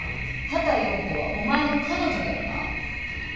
畑葉子はお前の彼女だよな？